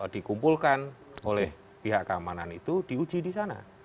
dikumpulkan oleh pihak keamanan itu diuji di sana